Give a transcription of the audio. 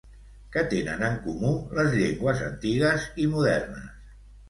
Què tenen en comú les llengües antigues i modernes?